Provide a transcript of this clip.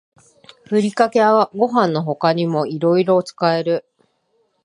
ふりかけはご飯の他にもいろいろ使える